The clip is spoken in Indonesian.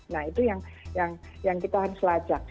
nah itu yang kita harus lacak